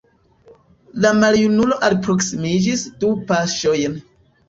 La maljunulo alproksimiĝis du paŝojn.